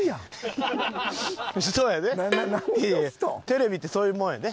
テレビってそういうもんやで。